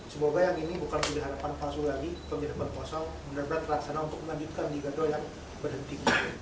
semoga yang ini bukan sudah harapan palsu lagi pemirapan kosong benar benar terlaksana untuk melanjutkan liga dua yang berhenti